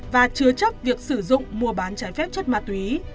và chứa chấp việc sử dụng mua bán trái phép chất ma túy